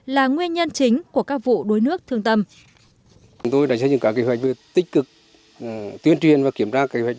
là nguyên nhân chính của các vụ đuối nước thương tâm